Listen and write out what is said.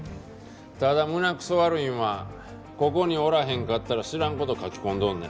ただ胸くそ悪いんはここにおらへんかったら知らん事書き込んどんねん。